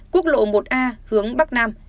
quốc lộ một a hướng bắc nam